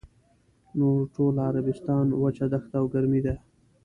نور ټول عربستان وچه دښته او ګرمي ده.